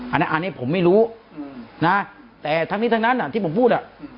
อันนี้ผมไม่รู้นะแต่ทั้งนี้ทั้งนั้นที่ผมพูดอ่ะ